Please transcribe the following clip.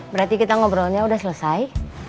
berarti kita ngobrolnya udah selesai